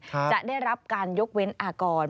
จะได้รับการยกเว้นอากร